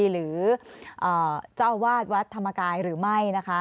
หรือเจ้าอาวาสวัดธรรมกายหรือไม่นะคะ